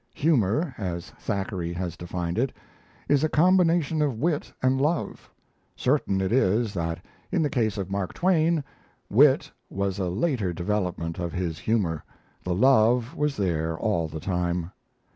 Humour, as Thackeray has defined it, is a combination of wit and love. Certain it is that, in the case of Mark Twain, wit was a later development of his humour; the love was there all the time.